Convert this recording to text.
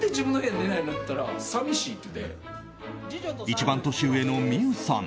一番年上の美羽さん。